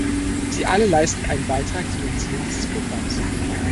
Sie alle leisten einen Beitrag zu den Zielen dieses Programms.